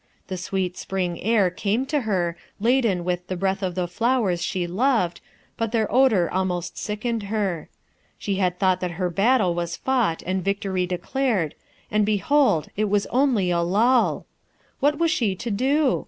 The sweet spring air came to her, laden with the breath of the flowers she loved, but their odor almost sickened her. She had thought that her battle was fought and victory declared, and behold it was only a lull! What was she to do?